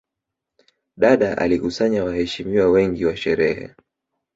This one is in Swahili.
Dada alikusanya waheshimiwa wengi wa sherehe